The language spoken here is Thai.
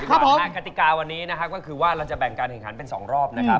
คาติกาวันนี้คือว่าจะแบ่งการแข่งขันเป็น๒รอบ